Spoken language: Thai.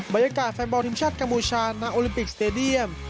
บรรยากาศแฟนบอลทีมชาติกาบูชาณโอลิปิกสเตดียม